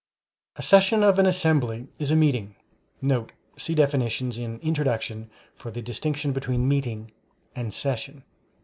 A Session of an assembly is a meeting* [See definitions in Introduction for the distinction between "meeting" and "session."